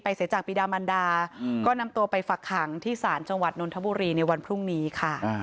เสียจากปีดามันดาก็นำตัวไปฝักขังที่ศาลจังหวัดนนทบุรีในวันพรุ่งนี้ค่ะ